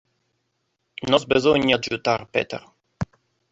Nos besonia adjutar Peter.